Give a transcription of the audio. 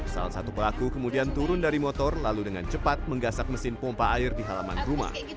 salah satu pelaku kemudian turun dari motor lalu dengan cepat menggasak mesin pompa air di halaman rumah